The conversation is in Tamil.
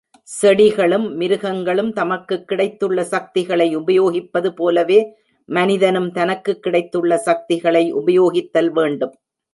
செடிகளும் மிருகங்களும் தமக்குக் கிடைத்துள்ள சக்திகளை உபயோகிப்பது போலவே மனிதனும் தனக்குக் கிடைத்துள்ள சக்திகளை உபயோகித்தல் வேண்டும்.